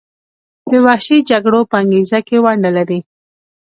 د وحشي جګړو په انګیزه کې ونډه لري.